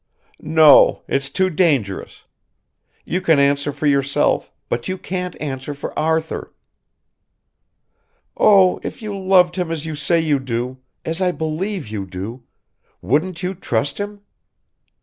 "No ... it's too dangerous. You can answer for yourself, but you can't answer for Arthur." "Oh, if you loved him as you say you do ... as I believe you do ... wouldn't you trust him?